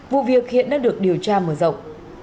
vụ việc hiện đang được điều tra mở rộng